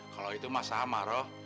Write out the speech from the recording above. kalau itu ma sama roh